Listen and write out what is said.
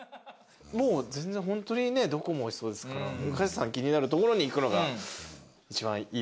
全然ホントにねどこもおいしそうですから宇梶さん気になる所に行くのが一番いいですけども。